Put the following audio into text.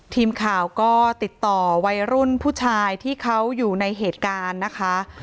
ทีมข่าวก็ติดต่อวัยรุ่นผู้ชายที่เขาอยู่ในเหตุการณ์นะคะ